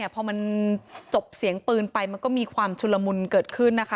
พอมันจบเสียงปืนไปมันก็มีความชุลมุนเกิดขึ้นนะคะ